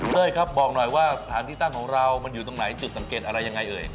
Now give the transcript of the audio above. เฮ้ยครับบอกหน่อยว่าสถานที่ตั้งของเรามันอยู่ตรงไหนจุดสังเกตอะไรยังไงเอ่ย